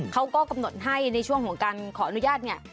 เขาก็กำหนดให้ในช่วงของการขออนุญาตเนี่ย